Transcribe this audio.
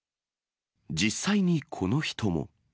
実際にこの人も。